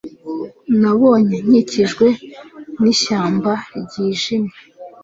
Nabonye nkikijwe nishyamba ryijimye